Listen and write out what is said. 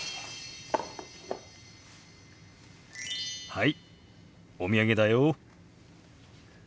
はいお土産だよ！